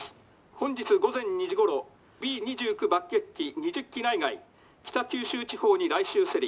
本日午前２時ごろＢ２９爆撃機２０機内外北九州地方に来襲せり」。